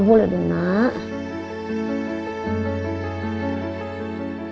gak boleh dong nak